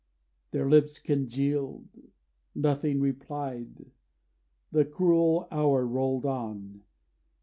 Their lips congealed Nothing replied. The cruel hour rolled on.